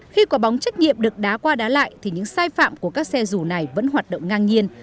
khi quả bóng trách nhiệm được đá qua đá lại thì những sai phạm của các xe rủ này vẫn hoạt động ngang nhiên